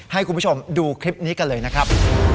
ให้คุณผู้ชมดูคลิปนี้กันเลยนะครับ